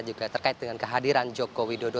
juga terkait dengan kehadiran joko widodo